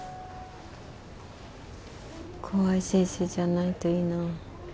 怖い先生じゃないといいなぁ。